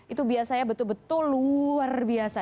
itu biasanya betul betul luar biasa